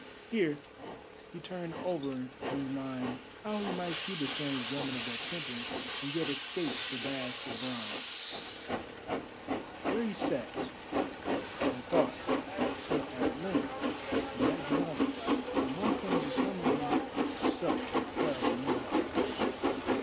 Here he turned over in his mind how he might see the strange woman of the temple, and yet escape the baths of bronze. There he sat and thought till at length the night drew on, and one came to summon him to sup with Pharaoh in the Hall.